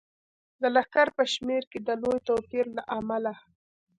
د لښکر په شمیر کې د لوی توپیر له امله.